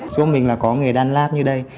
chúng mình là có nghề đan lát như đây